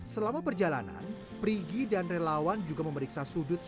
selama perjalanan perigi dan relawan juga memeriksa sudut